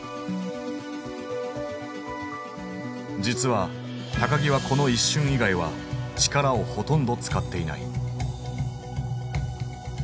実は木はこの一瞬以外は力をほとんど使っていない。